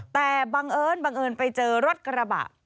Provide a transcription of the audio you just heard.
แต่บังเอิญไปเจอรถกระบะ